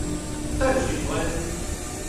淡水端